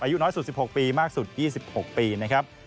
อายุน้อยสุด๑๖ปีมากสุด๒๖ปีนะครับ